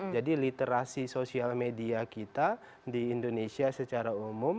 jadi literasi sosial media kita di indonesia secara umum